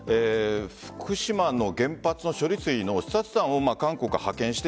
福島の原発の処理水の視察団を韓国は派遣して